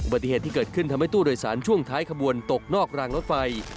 ปฏิเหตุที่เกิดขึ้นทำให้ตู้โดยสารช่วงท้ายขบวนตกนอกรางรถไฟ